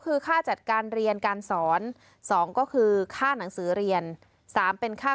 คือค่าจัดการเรียนการสอน๒ก็คือค่าหนังสือเรียน๓เป็นค่า